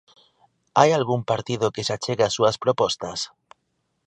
Hai algún partido que se achegue ás súas propostas?